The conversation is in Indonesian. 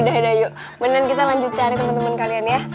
udah udah yuk mendingan kita lanjut cari temen temen kalian ya